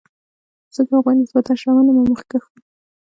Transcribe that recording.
ځکه هغوی نسبتا شتمن او مخکښ وو.